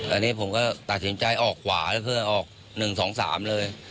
อันนี้ผมก็ตัดสินใจออกขวาก็คือออก๑๒๓เลย